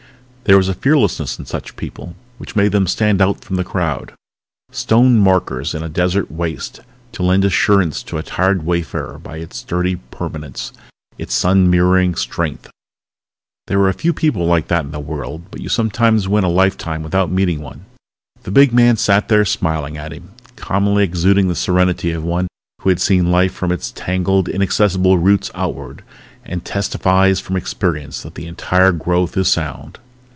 There was a fearlessness in such people which made them stand out from the crowd, stone markers in a desert waste to lend assurance to a tired wayfarer by its sturdy permanence, its sun mirroring strength. There were a few people like that in the world but you sometimes went a lifetime without meeting one. The big man sat there smiling at him, calmly exuding the serenity of one who has seen life from its tangled, inaccessible roots outward and testifies from experience that the entire growth is sound.